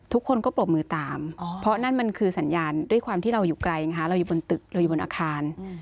ทุกคนก็ปรบมือตามเพราะนั่นมันคือสัญญาณด้วยความที่เราอยู่ไกลนะคะเราอยู่บนตึกเราอยู่บนอาคาร